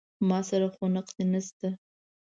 ما سره خو نقدې نه شته.